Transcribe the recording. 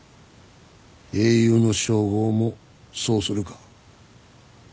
英雄の称号もそうするか？